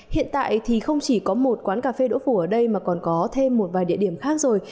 hiện tại thì không chỉ có một quán cà phê đỗ phủ ở đây mà còn có thêm một vài địa điểm khác rồi